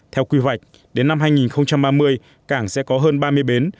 theo quy hoạch đến năm hai nghìn ba mươi cảng sẽ có hơn ba mươi bến